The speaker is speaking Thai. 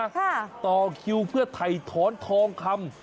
ค่ะต่อคิวเพื่อไถ่ทอนทองคำ